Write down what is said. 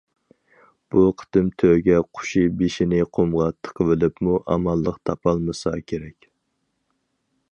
بۇ قېتىم تۆگە قۇشى بېشىنى قۇمغا تىقىۋېلىپمۇ ئامانلىق تاپالمىسا كېرەك.